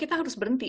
kita harus berhenti